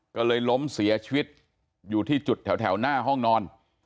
ก็เลยล้มเสียชีวิตอยู่ที่จุดแถวหน้าห้องนอน